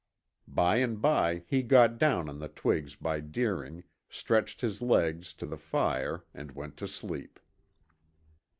By and by he got down on the twigs by Deering, stretched his legs to the fire and went to sleep.